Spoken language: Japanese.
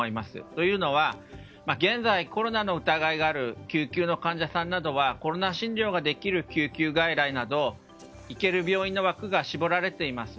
というのは、現在コロナの疑いがある救急の患者さんはコロナ診療ができる救急外来など行ける病院の枠が絞られています。